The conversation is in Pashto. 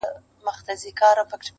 o په خندا پسې ژړا سته٫